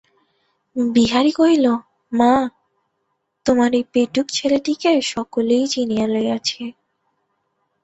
বিহারী কহিল, মা, তোমার এই পেটুক ছেলেটিকে সকলেই চিনিয়া লইয়াছে।